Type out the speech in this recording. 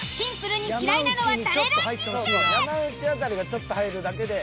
山内辺りがちょっと入るだけで。